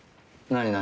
何何？